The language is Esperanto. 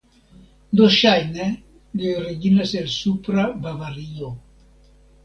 Do ŝajne li originis el Supra Bavario.